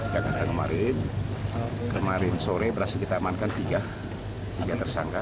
yang terang kemarin kemarin sore berhasil ditamankan tiga tiga tersangka